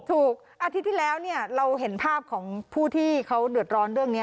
อาทิตย์ที่แล้วเนี่ยเราเห็นภาพของผู้ที่เขาเดือดร้อนเรื่องนี้